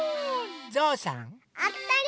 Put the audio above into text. ぞうさん！あったり！